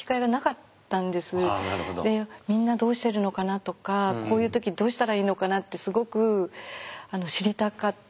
みんなどうしてるのかなとかこういう時どうしたらいいのかなってすごく知りたかったので。